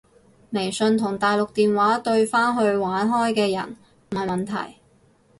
微信同大陸電話對返去玩開嘅人唔係問題